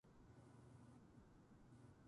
君たちはどう生きるか。